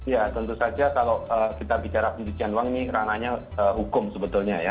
ya tentu saja kalau kita bicara pencucian uang ini ranahnya hukum sebetulnya ya